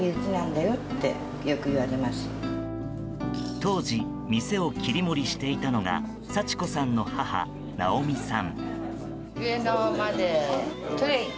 当時店を切り盛りしていたのが幸子さんの母、ナオミさん。